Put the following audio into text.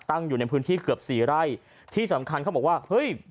อยู่ในพื้นที่เกือบสี่ไร่ที่สำคัญเขาบอกว่าเฮ้ย